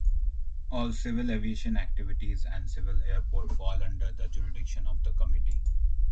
All civil aviation activities and civil airports fall under the jurisdiction of the Committee.